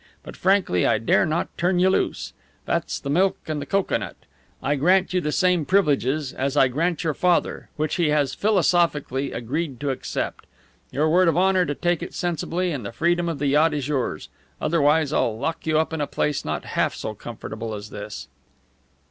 But frankly, I dare not turn you loose. That's the milk in the cocoanut. I grant you the same privileges as I grant your father, which he has philosophically agreed to accept. Your word of honour to take it sensibly, and the freedom of the yacht is yours. Otherwise, I'll lock you up in a place not half so comfortable as this."